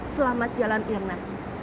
selamat jalan irnah